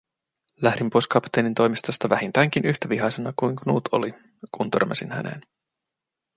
Lähdin pois kapteenin toimistosta vähintäänkin yhtä vihaisena kuin Knut oli, kun törmäsin häneen.